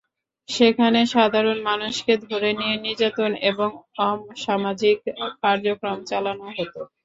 সেখানে সাধারণ মানুষকে ধরে নিয়ে নির্যাতন এবং অসামাজিক কার্যক্রম চালানো হতো।